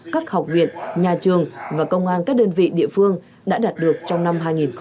các học viện nhà trường và công an các đơn vị địa phương đã đạt được trong năm hai nghìn hai mươi ba